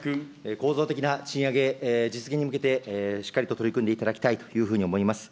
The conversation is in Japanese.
構造的な賃上げ実現に向けて、しっかりと取り組んでいただきたいというふうに思います。